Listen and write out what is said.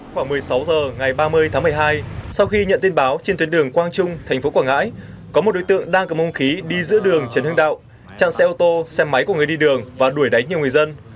khoảng một mươi sáu giờ ngày ba mươi tháng một mươi hai sau khi nhận tin báo trên tuyến đường quang trung tp hcm có một đối tượng đang cầm hung khí đi giữa đường trần hương đạo chặn xe ô tô xe máy của người đi đường và đuổi đánh nhiều người dân